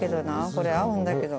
これ合うんだけど。